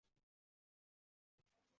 O`shanda erim yuzimga tarsaki tortib yubordi